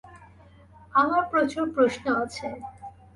আমার প্রচুর প্রশ্ন আছে।